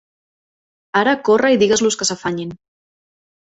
Ara corre i digues-los que s'afanyin.